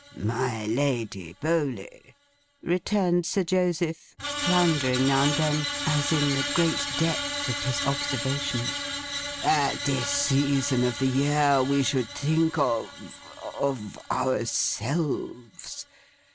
'My lady Bowley,' returned Sir Joseph, floundering now and then, as in the great depth of his observations, 'at this season of the year we should think of—of—ourselves.